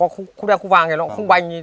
khúc đen khúc vàng thì nó cũng không bành